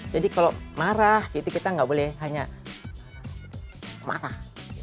jadi kalau marah gitu kita gak boleh hanya marah